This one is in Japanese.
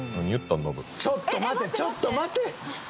ちょっと待てちょっと待て！